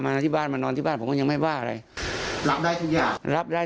ที่บ้านมานอนที่บ้านผมก็ยังไม่ว่าอะไรรับได้ทุกอย่างรับได้